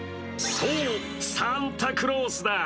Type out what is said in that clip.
そうサンタクロースだ。